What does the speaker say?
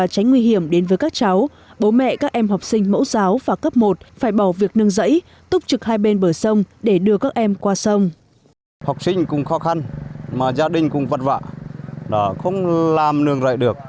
các cháu bố mẹ các em học sinh mẫu giáo và cấp một phải bỏ việc nâng dãy túc trực hai bên bờ sông để đưa các em qua sông